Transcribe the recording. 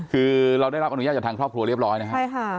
คือเราได้รับอนุญาตจากทางครอบครัวเรียบร้อยนะครับใช่ค่ะ